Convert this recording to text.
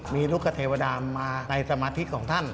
มีลูกเทวดามาในสมาธิของท่าน